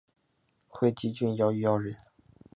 会稽郡余姚人。